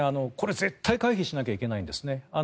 これ、絶対回避しなきゃいけないんですね。